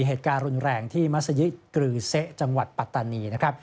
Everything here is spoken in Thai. เหตุการณ์รุนแรงที่มัศยิตรือเซะจังหวัดปัตตานีนะครับ